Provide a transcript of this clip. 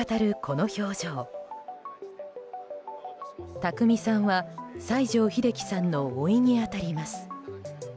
宅見さんは西城秀樹さんのおいに当たります。